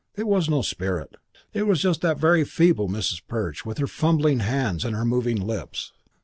It was no spirit. It was just that very feeble Mrs. Perch with her fumbling hands and her moving lips.